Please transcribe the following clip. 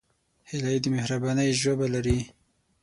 هیلۍ د مهربانۍ ژبه لري